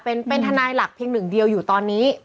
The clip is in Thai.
เป็นทนายหลักเพียงหนึ่งเดียวอยู่ตอนนี้